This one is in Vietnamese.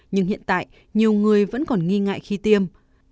nhưng hiện tại nhiều người vẫn còn nghi ngại khi tiêm